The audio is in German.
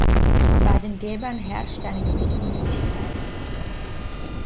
Bei den Gebern herrscht eine gewisse Müdigkeit.